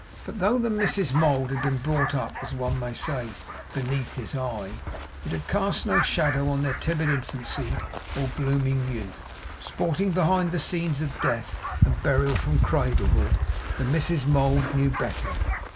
But, though the Misses Mould had been brought up, as one may say, beneath his eye, it had cast no shadow on their timid infancy or blooming youth. Sporting behind the scenes of death and burial from cradlehood, the Misses Mould knew better.